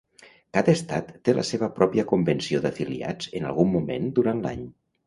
Cada estat té la seva pròpia convenció d'afiliats en algun moment durant l'any.